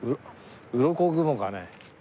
うろこ雲がね。